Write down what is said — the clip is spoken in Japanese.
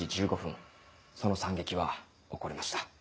その惨劇は起こりました。